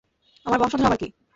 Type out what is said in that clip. আমার বংশধর আবার কি?